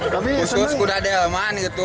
kusus kuda delman gitu